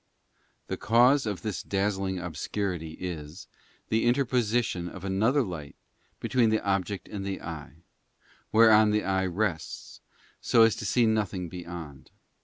The cause of this dazzling obscurity is, the interposition of another light between the object and the eye, whereon the eye rests, so as to see nothing beyond.